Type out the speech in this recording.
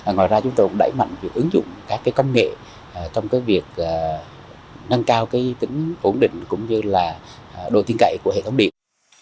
ngoài ra chúng tôi cũng đẩy mạnh việc ứng dụng các công nghệ trong việc nâng cao tính ổn định cũng như là độ tiên cậy của hệ thống điện